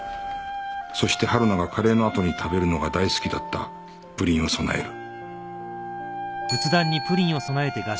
そして春菜がカレーのあとに食べるのが大好きだったプリンを供える